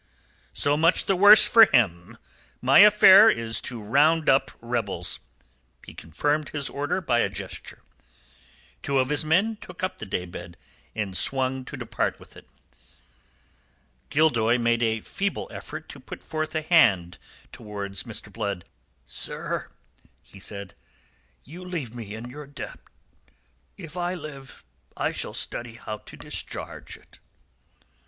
"So much the worse for him. My affair is to round up rebels." He confirmed his order by a gesture. Two of his men took up the day bed, and swung to depart with it. Gildoy made a feeble effort to put forth a hand towards Mr. Blood. "Sir," he said, "you leave me in your debt. If I live I shall study how to discharge it." Mr.